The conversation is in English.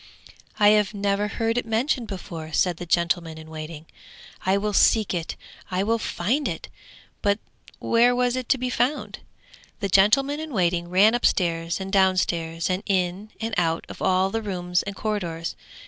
'I have never heard it mentioned before,' said the gentleman in waiting. 'I will seek it, and I will find it!' But where was it to be found? The gentleman in waiting ran upstairs and downstairs and in and out of all the rooms and corridors.